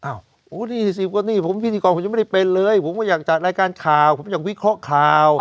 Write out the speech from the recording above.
อ้าวพิธีกรผมยังไม่ได้เป็นเลยผมก็อยากจัดรายการข่าวผมอยากวิเคราะห์ข่าว